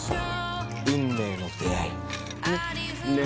運命の出会い。ね？